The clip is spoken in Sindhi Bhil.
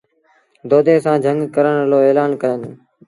دودي سآݩ جھنگ ڪرڻ رو ايلآن ڪيآݩدوݩ ۔